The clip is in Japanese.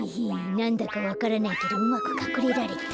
なんだかわからないけどうまくかくれられた。